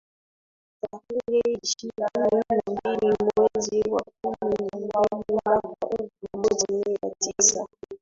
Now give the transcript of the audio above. tarehe ishirini na mbili mwezi wa kumi na mbili mwaka elfu moja mia tisa